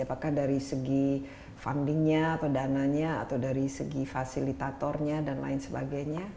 apakah dari segi funding nya atau dananya atau dari segi fasilitatornya dan lain sebagainya